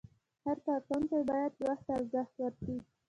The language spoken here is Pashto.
هر کارکوونکی باید وخت ته ارزښت ورکړي.